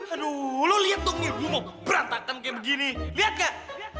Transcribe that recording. aduh lo liat dong ini rumah berantakan kayak begini liat gak